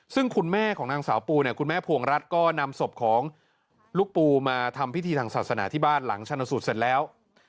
ซึ่งคุณแม่ของนางสาวปูเนี่ยคุณแม่พวงรัฐก็นำศพของลูกปูมาทำพิธีทางศาสนาที่บ้านหลังชนสูตรเสร็จแล้ว